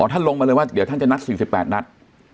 ท่านลงมาเลยว่าเดี๋ยวท่านจะนัด๔๘นัด